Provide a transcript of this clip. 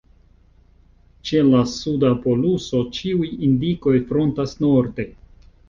Ĉe la suda poluso ĉiuj indikoj frontas norde.